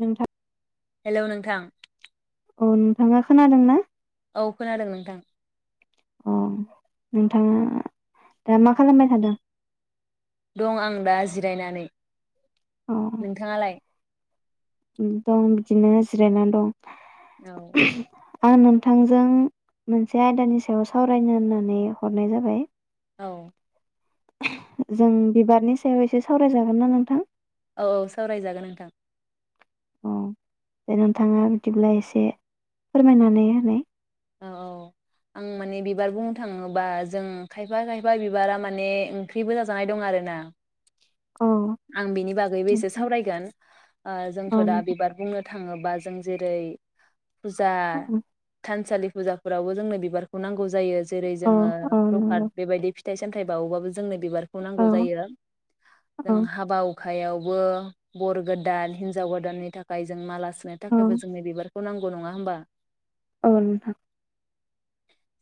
नोंथां हेलौ नोंथां औ नोंथाङा खोनादोंना? औ खोनादों नोंथां। अ नोंथाङा दा मा खालामबाय थादों? दं आं दा जिरायनानै अ नोंथाङालाय? दं बिदिनो जिरायनानै दं औ आं नोंथांजों मोनसे आयदानि सायाव सावरायनो होननानै हरनाय जाबाय औ जों बिबारनि सायाव एसे सावरायजागोनना नोंथां? औ औ सावरायजागोन नोंथां औ दे नोंथाङा बिदिब्ला एसे फोरमायनानै होनै औ औ आं माने बिबार बुंनो थाङोबा जों खायफा खायफा बिबारा माने ओंख्रिबो जाजानाय दं आरोना औ आं बिनि बागैबो एसे नोंथां सावरायगोन ओ औ जोंथ' दा नोंथां बिबार बुंनो थाङो बा जों जेरै फुजा थानसालि फुजाफोरावबो जोंनो बिबारखौ नांगौ जायो जेरै औ जोङो औ नंगौ प्रकाट बेबायदि फिथाइ सामथाय बावोबाबो जोंनो बिबार खौ औ नांगौ जायो जों हाबा यावबो बर गोदान हिनजाव गोदाननि थाखाय जों माला सुनो औ थाखायबो जोंनो बिबारखौ नांग गौ नङा होमबा औ नोंथां।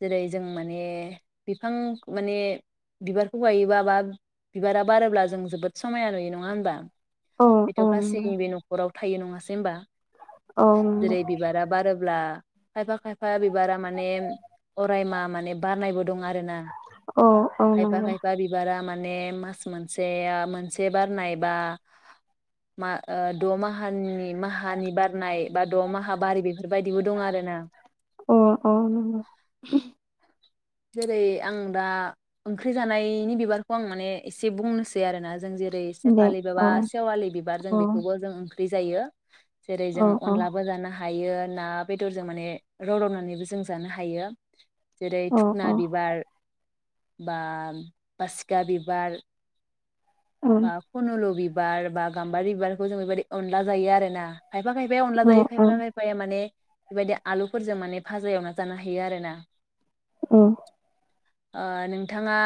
जेरै जों माने बिफां माने बिबारखौ गायोबा-बा बिबारा बारोब्ला जों जोबोद समायना नुयो नङा होनबा औ बेथ' औ नंगौ गासैनिबो न'खराव थायो नङासै होमबा औ नंगौ जेरै बिबारा बारोब्ला खायफा खायफा बिबारा माने अरायमा माने बारनायबो दं आरो ना औ औ खायफा नंगौ खायफा बिबारा मा ने मास मोनसेआ से बारनाय बा मा ओ द' माहानि माहानि बारनाय बा द' माहा बारो बेफोर अ अ नंगौ। जेरै आं दा ओंख्रि जानायनि बिबारखौ आं माने एसे बुंनोसै आरोना जों जेरै रै दे सेफालि बाबा औ सेवालि बिबार जों बेखौबो जों ख्रि जायो। जेरै जोङो अनलाबो जानो हा हायो ना बेदरजों माने रदबनानैबो जों जानो हायो। जेरै अ बिबार बा फासिखा बिबार अ बा फनलु बि बार बा गाम्बारि बिबारखौ जों बेबायदि अनला जायो आरो ना। खायफा खायफाया अनला अ जायो अ खायफा खायफाया माने बेबायदि आलुफोरजों माने भाजा एवना जानो हायो आरोना। औ। ओ नोंथाङा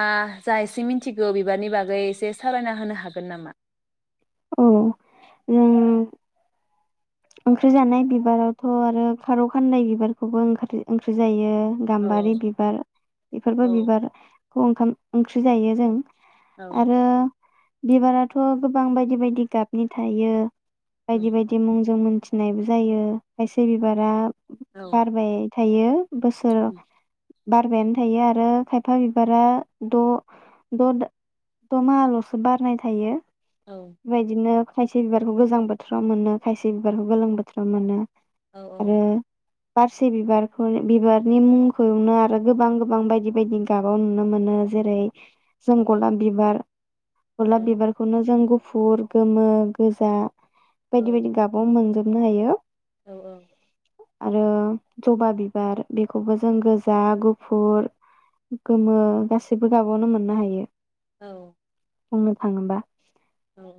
जा एसे मिथिगौ बिबारनि बागै एसे सावरायना होनो हागोन नामा? औ ओम ओंख्रि जानाय बिबाराथ' आरो खार' खान्दाय बिबारखौबो ओंख्रि ओंख्रि जायो। औ गाम्बारि बिबार बेफोरबो औ बिबार खौ ओंखाम ओंख्रि जायो जों। औ आरो बिबाराथ' गोबां बायदि बायदि गाबनि थायो। औ बायदि बायदि मुं जों मोनथिनायबो जायो। खायसे बिबारा औ बारबाय थायो। बोसोराव बारबायानो थायो आरो खायफा बिबारा द' द' द' माहाल'सो बारनाय थायो। औ बेबायदिनो खायसे बिबारखौ गोजां बोथोराव मोनो। खायसे बिबारखौ गोलों बोथोराव मोनो। औ आरो औ। बारसे बिबारखौ बिबारनि मुंखौनो आरो गोबां गोबां बायदि बायदि गाबाव नुनो मोनो जेरै जों गलाब बिबार गलाब बिबारखौनो जों गुफ फुर, गोमो, गोजा बायदि बायदि मोनजोबनो हायो। औ औ। आरो ज'बा बिबार बेखौबो जों गोजा, गुफुर, गोमो, गासैबो गाबावनो मोननो हायो। औ। बुंनो थाङोबा। औ।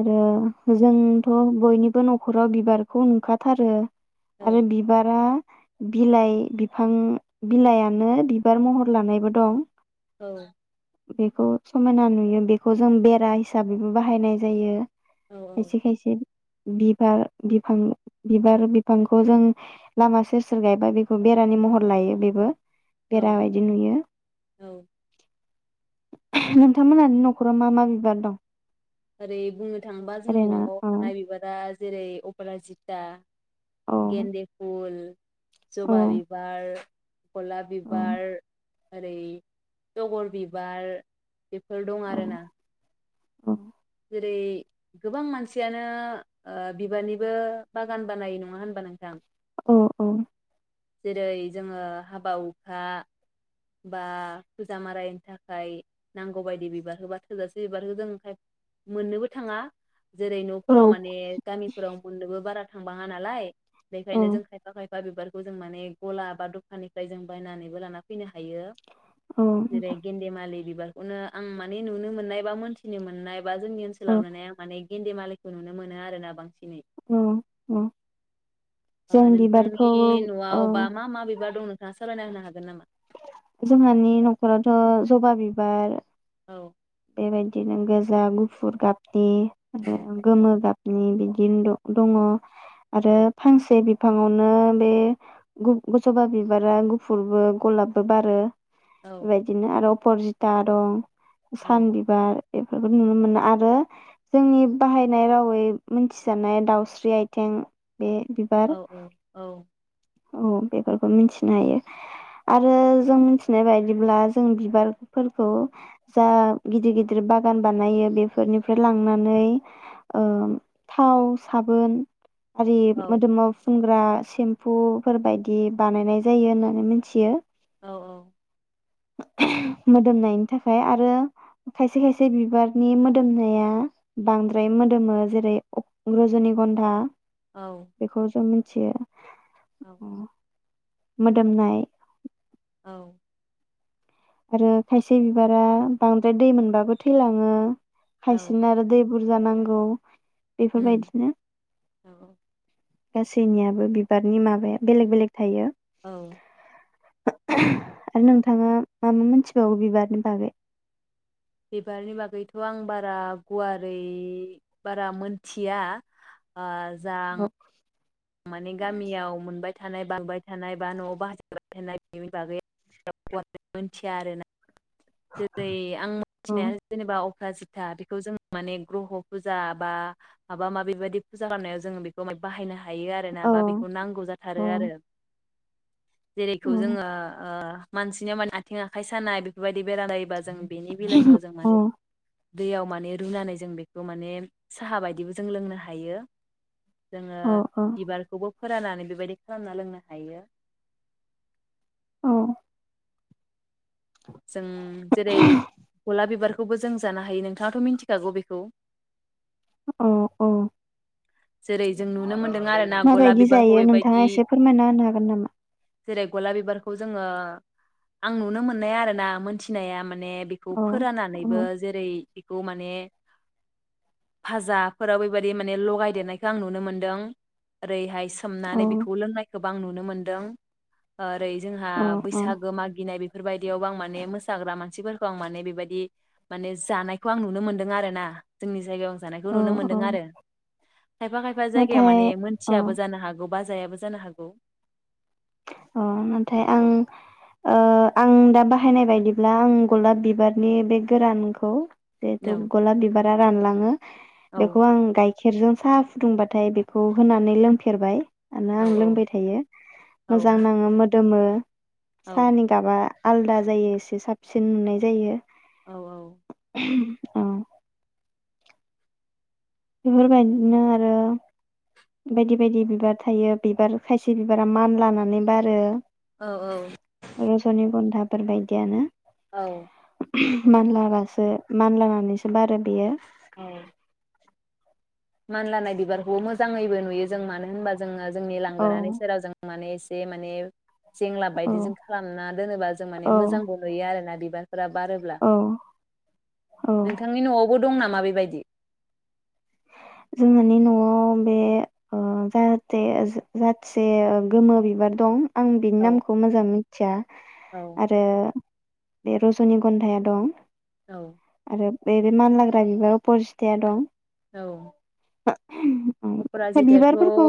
आरो जोंथ' बयनि बो न'खराव बिबारखौ नुखाथारो। आरो बिबारा बिलाइ बिफां बिलायानो बिबार महर लानायबो दं। औ। बेखौ समायना नुयो बेखौ जों बेरा हिसाबैबो बाहायनाय जायो खायसे खायसे। बिबार बिफां बिबार बिफांखौ जों लामा सेर सेर गायबा बेखौ बेरानि महर लायो बेबो औ बेरा बायदि नुयो। नोंथांमोनानि न'खराव मा मा बिबार दं? ओरै बुंनो थाङोबा जोंनि ओरैनो न'आव औ थानाय बिबारा जेरै अपराजिता गेन्दे फुल औ ज'बा बिबार गलाप औ बिबार ओरै तगर बिबार बेफोर दं आरोना। अह। जेरै गोबां मानसियानो ओ बिबारनिबो बागान बानायो नङा होनबा नोंथां? अह औ। जेरै जोङो हाबा हुखा बा फुजा मारायनि थाखाय नांगौ बायदि बिबारखौ बा थोजासे बिबारखौ जों मोननोबो थाङा जेरै औ न'फोराव औ माने गामिफोराव मोननोबो बारा थांबाङा नालाय औ बेखायनो जों खायफा खाय फा बिबारखौ जों माने गलाब बा दखाननिफ्राय जों बायनानैबो लाना फैनो हा हायो औ जेरै नोंथां गिन्दे मालि बिबारखौनो आं माने नुनो मोननाय बा मोनथिनो मोननाय बा जोंनि औ ओनसोलावनो माने इन्दि मालायखौ नुनो मोनो आरोना बांसिन औ औ जों बिबारखौ नोंथांनि न'आव औ बा मा मा बे बा दं नोंथाङा सालायना होनो हागोन नामा जोंहानि न'खरावथ' जबा बिबार औ बेबायदिनो गोजा गुफुर गाब दे आरो गोमो गाब बे बिदिनो द दङ आरो औ फांसे बि फाङावनो बे गु ग जबा बिबारा गुफुरबो गलाबबो बारो औ बेबायदिनो आरो अपरजिता दं सान औ बिबार बेफोरखौ औ नुनो मोनो आरो जोंनि बाहायनाय रावै मोनथिजानाय दाउस्रि आयथें बे औ बिबार औ औ बेफोरखौ मिथिनो हायो आरो जों मिथिनाय बायदिब्ला जों बिबारफोरखौ जा गिदिर गिदिर बागान बानायो बेफोरनिफ्राय लांनानै ओ थाव साबोन आरि औ मोदोमाव फुनगो रां सिन फु फोरबायदि बानायनाय जायो होननानै मिनथियो औ औ मोदोमनायनि थाखाय आरो खायसे खायसे बिबारनि मोदोमनाया बांद्राय मोदोमो जेरै रजनि गन्धा औ बेखौ जों औ [unintelligible] अ मोदोमनाय औ आरो खायसे बिबारा बांद्राय दै मोनबाबो थैलाङो। औ खायसेना आरो दै बुरजा नांगौ। उम बेफोरबायदिनो औ गासैनियाबो बिबारनि माबाया बेलेक बेलेक थायो। औ आरो नोंथाङा मा मा मोनथिबावो बिबारनि बागै? बिबारनि बागैथ' आं बारा गुवारै बारा मोनथिया। ओ औ मोजां माने गामियाव मोनबाय थानाय बांबाय [unintelligible] जेरै आं औ मिथिनाया जेनेबा अपराजिथा बेखौ जों माने ग्रह' फुजा बा माबा माबि बेबायदि फुजा खालामनायाव जोंङो बेखौ बाहायनो हायो। हायो आरोना औ बा बेखौ नांगौ औ जाथारो आरो। जेरैखौ जोङो ओ मानसिनिया माने आथिं आखाइ सानाय बेफोरबायदि बेराम जायोबा जों बेनि बिलाइखौ जों माने दैयाव माने रुनानै जों बेखौ माने साहा बायदिबो जों लोंनो हायो। जोङो औ बिबारखौबो फोराननानै बेबायदि खालामना लोंनो हायो। औ। जों जेरै गलाब बिबार खौबो जों जानो हायो नोंथाङाथ' मिथिखागौ बेखौ। अ औ। जेरै जों नुनो मोन माबायदि जायो नोंथाङा एसे फोरमायना होनो हागोन नामा? जेरै गलाब बिबारखौ जोङो आं नुनो मोननाय आरो ना मोनथिनाया माने ने बेखौ औ औ फोराननानैबो जेरै खौ माने फाजाफोराव बेबायदि माने लगाय देरनायखौ आं नुनो मोन्दों। ओरैहाय औ सोमनानै बेखौ लोंनाय गोबां नुनो मोनदों। ओरै जोंहा औ बैसागो मागिनाय बे बेफोरबायदियावबो आं माने मोसाग्रा मानसिफोरखौ आं माने बेबायदि माने जानायखौ आं नुनो मोनदों आरो ना जोंनि जायगायाव जानायखौ औ नुनो मोन्दों औ आरो। खायफा खायफा जायगायाव नाथाय माने अ मोनथियाबो जानो हागौ बाजायाबो जानो हागौ। अ नाथाय आं ओ आं दा बाहायनाय बायदिब्ला आं गलाब बिबारनि बे गोरानखौ औ जिहेथु गलाब बिबारा रानलाङो बेखौ आं गाय खेरजों साहा फुदुंबाथाय बेखौ होनानै लोंफेरबाय आनो औ आं लोंबाय थायो मोजां औ नाङामोद गोमो औ साहानि गाबा आलदा जायो एसे साबसिन नुनाय जायो औ [unintelligible] औ बेफोरबायदिनो आरो बायदि बायदि बिबार थायो बिबार खायसे बिबारा मान लानानै बारो [unintelligible] बेफोर बायदियानो औ [unintelligible] मानलाबासो मानलानानैसो बारो बियो औ मानलानाय बिबारखौबो मोजाङैबो नुयो जों मानो होनबा जोङो जोंनि औ लांगोनानि सेराव जों माने जे माने जेंला औ बायदि जों खालामना दोनोबा जों माने औ मोजांबो नुयो आरोना बे बिबारा बारोब्ला औ औ नोंथांनि न'आ बो दं नामा बेबायदि जोंहानि न'आव बे ओ जाहाथे जाेथोसे गोमो बिबार दं आं बिनि औ नामखौ मोजां मिथिया औ आरो बे रज'नि गन्धाया दं औ आरो बे रो मानलाग्रा बिबाराव परसिथाया दं औ [unintelligible] ओमफ्राय अपराजितायाथ' बिबारफोरखौ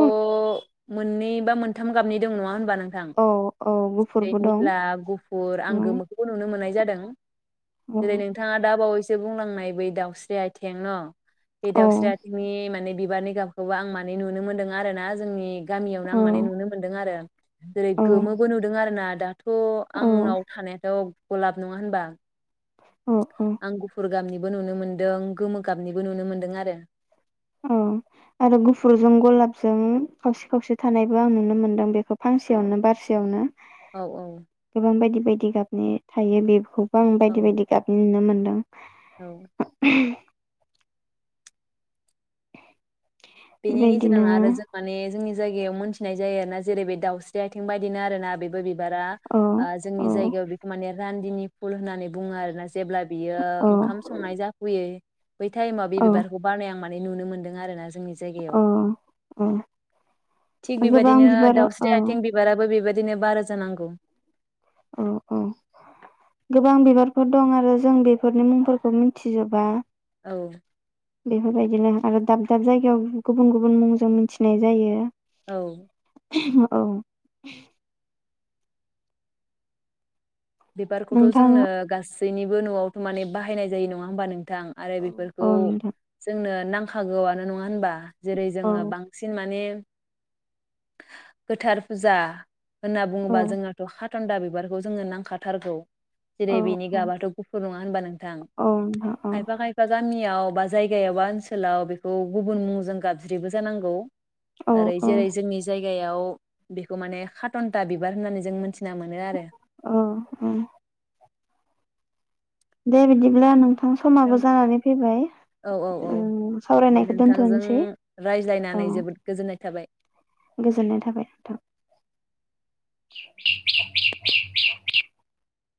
मोननै बा मोनथाम गाबनि दं नङा होनबा नों नोंथां औ औ जेरै गुफुरबो दं निला गुफुर औ आं गोमोखौबो नुनो मोननाय जादों औ जेरै नोंथाङा दा बावैसो बुंलां नाय बै दाउस्रि आयथें न' बि औ दावस्रि आथिंनि माने बि बिबानो गाब खौबो आं माने नुनो मोन्दों आरो ना जोंनि गामियावनो आं माने नुनो मोनदों आरो जेरै औ गोमोबो नुदों आरो ना थ' आंनाव थानायाथ' गलाब नङा होनबा। अ अ आं गुफुर गाबनिबो नुनो मोन्दों गोमो गाबनिबो नुनो मोनदों आरो। अ आरो गुफुरजों गलाबजों खावसे खावसे थानायबो आं नुनो मोनदों बेखौ फांसेयावनो बारसेयावनो। औ औ गोबां बायदि बायदि गाबनि थायो बेखौ बो आं बायदि बायदि गाबनि नुनो मोन दों औ ओम बेनि बेबायदिनो गेजेरावनो आरो जों माने जोंनि जायगायाव मोनथिनाय जायो आरोना जेरै बे दाउस्रि आथिं बायदिनो आरोना बेबो बिदि बिबारा औ ओ जोंनि औ जायगायाव माने रान्दिनि फुल होननानै बुङो आरोना जेब्ला बियो औ ओंखाम संनाय जाफुयो बै टाइमाव बे औ बिबारखो बारनाय आं माने नुनो मोनदों आरोन जोंनि जायगायाव औ औ थिग गोबां बेबादिनो बिबार दाउस्रि औ आथें बिबाराबो बेबा दिनै बारो जानांगौ। अ अ गोबां बिबारफोर दं आरो जों बेफोरनि मुंफोरखो मिथिजोबा। औ बेफोरबायदिनो आरो दाब दाब जायगायाव गुबुन गुबुन मुंजों मिथिनाय जायो। औ औ बिबारखौथ' नोंथां जोंनो गासै गासैनिबो न'आवथ' माने बाहायनाय जायो नङा होमबा नों थां आरो औ बेफोरखौ औ नोंथां जोंनो नांखागौआनो नङा होनबा? जेरै औ जोङो बांसिन माने गोथार फुजा होनना औ बुङोबा जोंनाथ' खा न्दा बिबारखौ जोंनो नांखाथारगौ। जेरै औ बेनि औ गाबाथ गुफुर नङा होनबा नोंथां औ नोंथां खायफा खायफा गामि याव बा जायगायाव बा ओनसोलाव बेखौ गुबुन मुंजों गाबज्रियोबो जानांगौ। औ ओरै औ जेरै जोंनि जायगायाव बिखौ माने खातन्टा बिबार होननानै जों मोनथि औ औ दे बिदिबोला नों थां समाबो जानानै फैबाय औ औ दे सावरायनायखौ नोंथांजों दोनथनोसै औ रायज्लायनानै जोबोद गोजोननाय थाबाय गोजोननाय थाबाय नोंथां। [unintelligible]